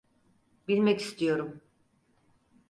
Bilmek istiyorum.